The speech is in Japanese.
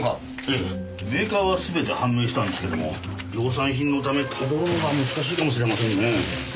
ええメーカーは全て判明したんですけども量産品のためたどるのは難しいかもしれませんね。